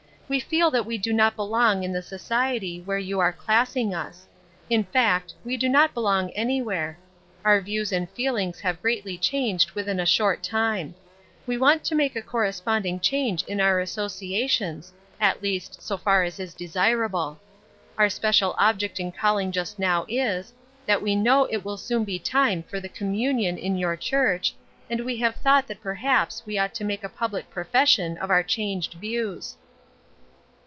We feel that we do not belong in the society where you are classing us; in fact, we do not belong anywhere. Our views and feelings have greatly changed within a short time. We want to make a corresponding change in our associations; at least, so far as is desirable. Our special object in calling just now is, that we know it will soon be time for the communion in your church, and we have thought that perhaps we ought to make a public profession of our changed views."